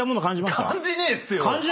感じねえっすよ！